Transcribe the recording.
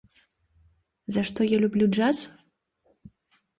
За што я люблю джаз?